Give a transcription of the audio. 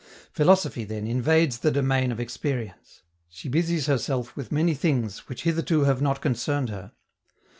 Philosophy, then, invades the domain of experience. She busies herself with many things which hitherto have not concerned her.